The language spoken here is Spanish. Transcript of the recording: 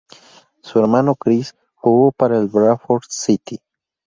Su hermano, Chris, jugó para el Bradford City.